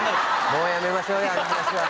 もうやめましょうよ